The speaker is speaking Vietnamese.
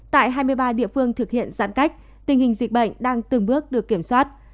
tại hai mươi ba địa phương thực hiện giãn cách tình hình dịch bệnh đang từng bước được kiểm soát